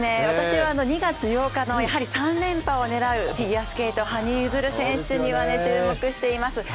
私はあの２月８日の３連覇を狙うフィギュアスケート羽生選手には注目しています。